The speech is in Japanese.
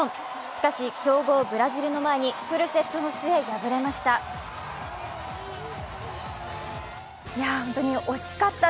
しかし、強豪ブラジルの前にフルセットの末、敗れました。